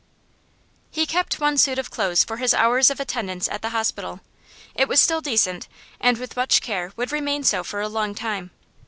He kept one suit of clothes for his hours of attendance at the hospital; it was still decent, and with much care would remain so for a long time.